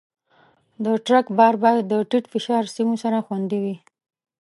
د ټرک بار باید د ټیټ فشار سیمو سره خوندي وي.